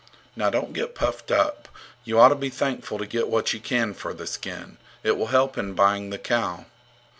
Now, don't get puffed up. You ought to be thankful to get what you can for the skin. It will help in buying the cow.